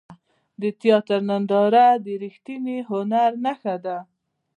د تیاتر ننداره د ریښتیني هنر نښه ده.